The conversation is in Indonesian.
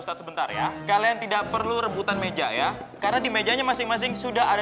saat sebentar ya kalian tidak perlu rebutan meja ya karena di mejanya masing masing sudah ada